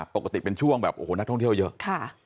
ปกติเป็นช่วงแบบโอ้โหนักท่องเที่ยวเยอะ